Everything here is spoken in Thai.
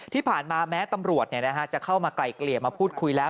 ที่ผ่านมาแม้ตำรวจจะเข้ามาไกลเกลี่ยมาพูดคุยแล้ว